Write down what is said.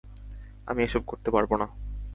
আমি এসব করতে পারবো না।